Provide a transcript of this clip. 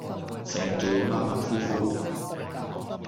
成日做野馬馬虎虎